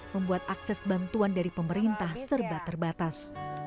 membuat akses bantuan dari pemerintah serba terbatas